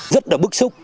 rất là bức xúc